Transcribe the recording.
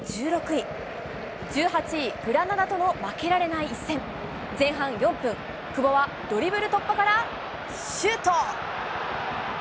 １８位、グラナダとの負けられない一戦。前半４分、久保はドリブル突破から、シュート。